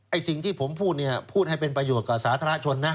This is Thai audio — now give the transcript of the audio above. สิ่งที่ผมพูดเนี่ยพูดให้เป็นประโยชน์กับสาธารณชนนะ